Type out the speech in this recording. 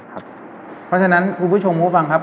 เพราะฉะนั้นคุณผู้ชมผู้ฟังครับ